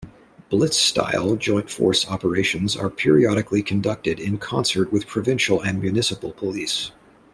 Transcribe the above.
Blitz-style joint force operations are periodically conducted in concert with provincial and municipal police.